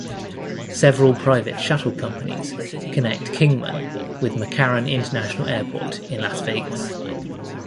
Several private shuttle companies connect Kingman with McCarran International Airport in Las Vegas.